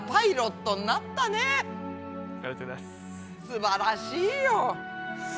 すばらしいよ。